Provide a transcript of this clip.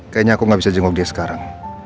kayanya aku gak bisa jenguk dia sekarang